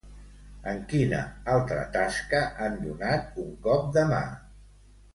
En quina altra tasca han donat un cop de mà?